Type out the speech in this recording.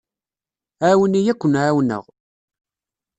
Ԑawen-iyi ad ken-εawneɣ.